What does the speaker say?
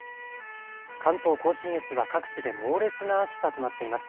関東甲信越は各地で猛烈な暑さとなっています。